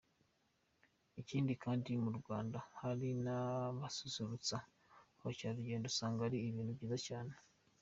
Ikindi kandi mu Rwanda hari n’abasusurutsa abakerarugendo usanga ari ibintu byiza cyane.